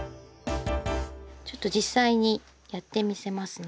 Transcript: ちょっと実際にやってみせますね。